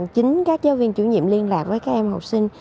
chính các giáo viên chủ nhiệm liên lạc với các em học sinh